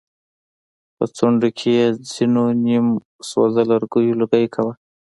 په څنډو کې يې ځېنو نيم سوزه لرګيو لوګی کوه.